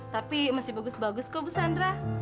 tapi masih bagus bagus kok bu sandra